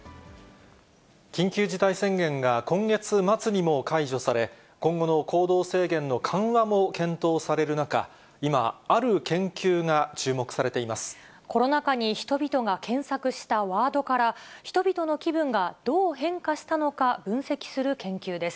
緊急事態宣言が今月末にも解除され、今後の行動制限の緩和も検討される中、今、コロナ禍に人々が検索したワードから、人々の気分がどう変化したのか分析する研究です。